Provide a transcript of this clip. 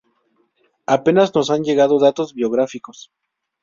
Apenas nos han llegado datos biográficos.